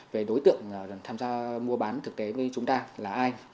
về đối tượng tham gia mua bán thực tế với chúng ta là ai